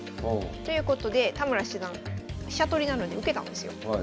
ということで田村七段飛車取りなので受けたんですよ。